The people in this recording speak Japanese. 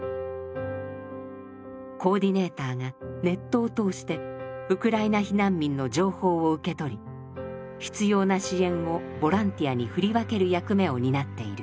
コーディネーターがネットを通してウクライナ避難民の情報を受け取り必要な支援をボランティアに振り分ける役目を担っている。